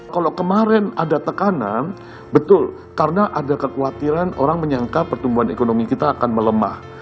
kalau kemarin ada tekanan betul karena ada kekhawatiran orang menyangka pertumbuhan ekonomi kita akan melemah